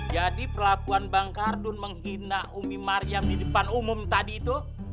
jadi perlakuan bang kardun menghina umi maryam di depan umum tadi itu